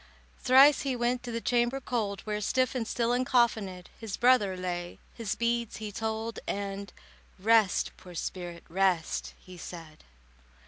Thrice he went to the chamber cold, Where, stiff and still uncoffinèd, His brother lay, his beads he told, And "Rest, poor spirit, rest," he said.